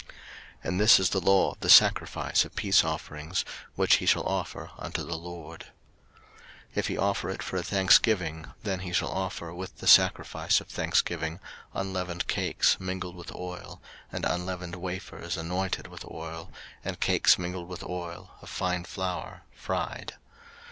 03:007:011 And this is the law of the sacrifice of peace offerings, which he shall offer unto the LORD. 03:007:012 If he offer it for a thanksgiving, then he shall offer with the sacrifice of thanksgiving unleavened cakes mingled with oil, and unleavened wafers anointed with oil, and cakes mingled with oil, of fine flour, fried.